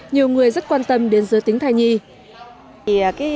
nhiều người rất quan tâm đến giới tính thai nhi